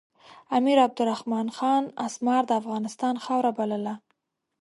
امیر عبدالرحمن خان اسمار د افغانستان خاوره بلله.